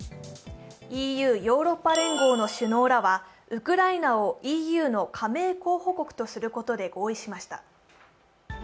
ＥＵ＝ヨーロッパ連合の首脳らは、ウクライナをＥＵの加盟候補国とすることで合意しました。